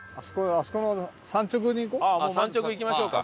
産直行きましょうか。